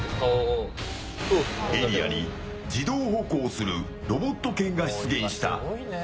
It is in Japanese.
エリアに、自動歩行するロボット犬が出現した。